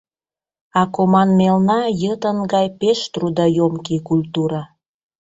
А команмелна йытын гай пеш трудоёмкий культура.